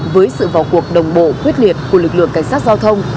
với sự vào cuộc đồng bộ quyết liệt của lực lượng cảnh sát giao thông